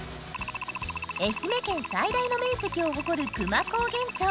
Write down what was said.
愛媛県最大の面積を誇る久万高原町